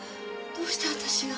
どうして私が。